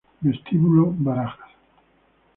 Vestíbulo Barajas